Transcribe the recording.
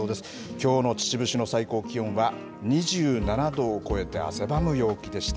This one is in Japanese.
きょうの秩父市の最高気温は２７度を超えて、汗ばむ陽気でした。